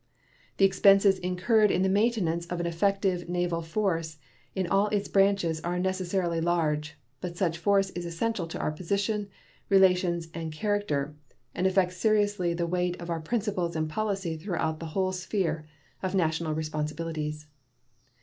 The expenses incurred in the maintenance of an effective naval force in all its branches are necessarily large, but such force is essential to our position, relations, and character, and affects seriously the weight of our principles and policy throughout the whole sphere of national responsibilities.